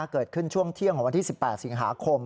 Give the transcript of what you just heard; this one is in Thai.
เกิดขึ้นช่วงเที่ยงของวันที่๑๘สิงหาคม